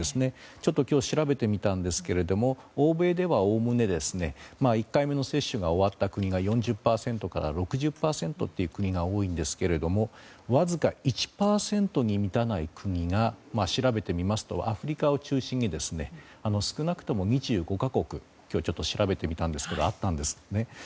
ちょっと今日調べてみたんですけれども欧米ではおおむね１回目の接種が終わった国が４０％から６０％という国が多いんですがわずか１％に満たない国が調べてみますとアフリカを中心に少なくとも２５か国あったんですね。